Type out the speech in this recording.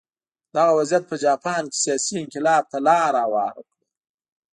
دغه وضعیت په جاپان کې سیاسي انقلاب ته لار هواره کړه.